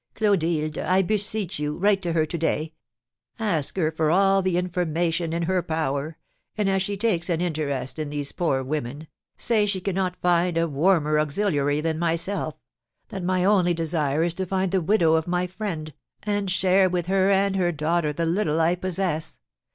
"Clotilde, I beseech you, write to her to day; ask her for all the information in her power, and, as she takes an interest in these poor women, say she cannot find a warmer auxiliary than myself; that my only desire is to find the widow of my friend, and share with her and her daughter the little I possess.